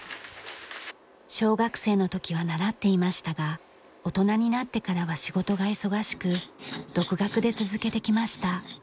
小学生の時は習っていましたが大人になってからは仕事が忙しく独学で続けてきました。